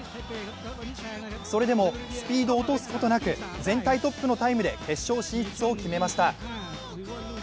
それでもスピードを落とすことなく全体トップのタイムで決勝進出を決めました。